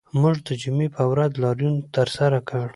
موږ د جمعې په ورځ لاریون ترسره کړ